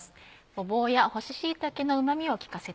ごぼうや干し椎茸のうまみを利かせた